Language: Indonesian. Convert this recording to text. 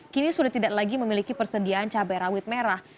kini sudah tidak lagi memiliki persediaan cabai rawit merah